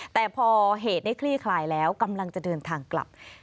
แต่พอเหตุได้คลี่คลายแล้วกำลังจะเดินทางกลับ